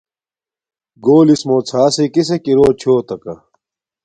گݸلِسمݸ ݼݳسݵ کِسݵک ارݸ چھݸتَکݳ؟